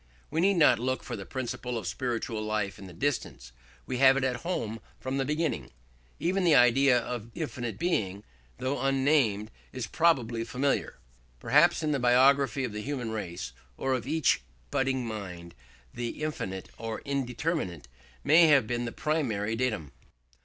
We need not look for the principle of spiritual life in the distance: we have it at home from the beginning. Even the idea of infinite Being, though unnamed, is probably familiar. Perhaps in the biography of the human race, or of each budding mind, the infinite or indeterminate may have been the primary datum.